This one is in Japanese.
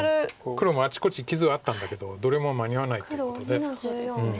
黒もあちこち傷はあったんだけどどれも間に合わないということで。